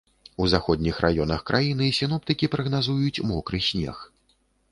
У заходніх раёнах краіны сіноптыкі прагназуюць мокры снег.